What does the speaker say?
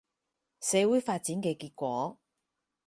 社會發展嘅結果